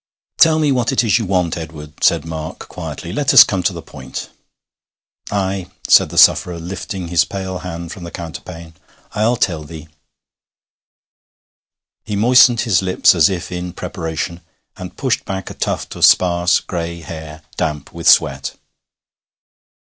'Tell me what it is you want, Edward,' said Mark quietly. 'Let us come to the point.' 'Ay,' said the sufferer, lifting his pale hand from the counterpane, 'I'll tell thee.' He moistened his lips as if in preparation, and pushed back a tuft of sparse gray hair, damp with sweat.